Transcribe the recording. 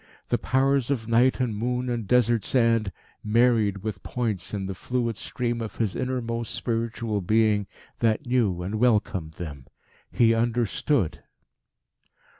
The powers of night and moon and desert sand married with points in the fluid stream of his inmost spiritual being that knew and welcomed them. He understood.